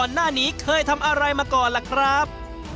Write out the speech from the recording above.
หน้านี้เคยทำอะไรมาก่อนล่ะครับ